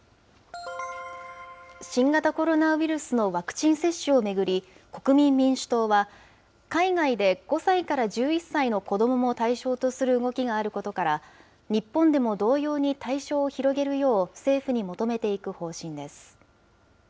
新型コロナウイルスのワクチン接種を巡り、国民民主党は、海外で５歳から１１歳の子どもも対象とする動きがあることから、日本でも同様に対象を広げるよう政府に求めていく方針です。